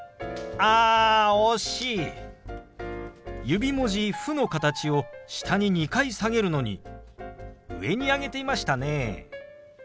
指文字「フ」の形を下に２回下げるのに上に上げていましたね。